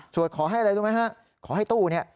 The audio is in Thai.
ขอให้อะไรรู้ไหมฮะขอให้ตู้เนี่ย